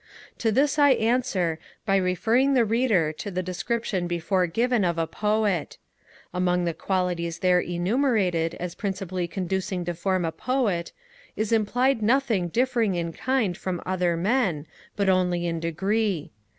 To this I answer by referring the Reader to the description before given of a Poet. Among the qualities there enumerated as principally conducing to form a Poet, is implied nothing differing in kind from other men, but only in degree.